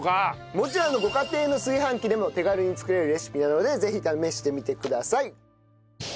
どちらのご家庭の炊飯器でも手軽に作れるレシピなのでぜひ試してみてください。